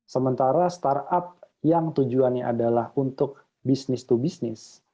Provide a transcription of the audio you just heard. sementara startup yang tujuannya adalah untuk business to business